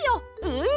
うん！